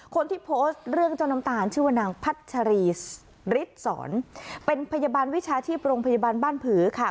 คนที่โพสต์เรื่องเจ้าน้ำตาลชื่อว่านางพัชรีฤทธิ์สอนเป็นพยาบาลวิชาชีพโรงพยาบาลบ้านผือค่ะ